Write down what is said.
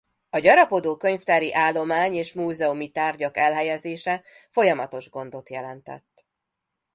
A gyarapodó könyvtári állomány és múzeumi tárgyak elhelyezése folyamatos gondot jelentett.